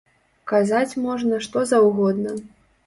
Казаць можна што заўгодна.